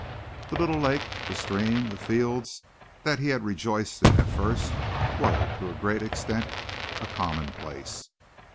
The little lake, the stream, the fields that he had rejoiced in at first were to a great extent a commonplace.